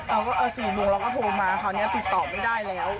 เอาว่า๔โมงเราก็โทรมาคราวนี้ติดต่อไม่ได้แล้ว